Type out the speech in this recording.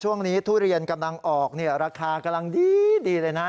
ทุเรียนกำลังออกเนี่ยราคากำลังดีเลยนะ